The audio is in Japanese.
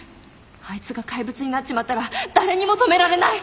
あいつが怪物になっちまったら誰にも止められない。